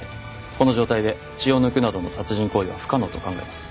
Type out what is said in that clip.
この状態で血を抜くなどの殺人行為は不可能と考えます。